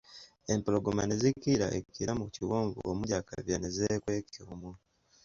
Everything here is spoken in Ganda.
Empologoma ne zikkirira e Kira mu kiwonvu omuli akabira ne zeekweka omwo.